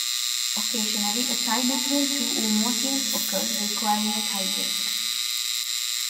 Occasionally, a tie between two or more teams occurs, requiring a tie-break.